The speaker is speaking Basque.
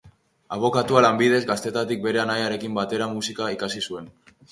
Abokatua lanbidez, gaztetatik bere anaiarekin batera musika ikasi zuen.